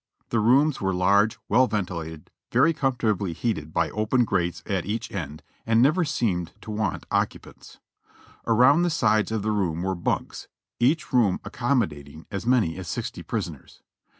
The rooms were large, well ventilated, very comfortably heated by open grates at each end. and never seemed to want occupants. Around the sides of the room were bunks, each room accommodating as many as sixty prisoners.